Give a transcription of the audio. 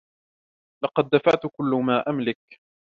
لقد دفعت كل ما أملك.